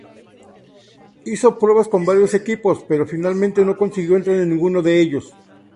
Hizo pruebas con varios equipos, pero finalmente no consiguió entrar en ninguno de ellos.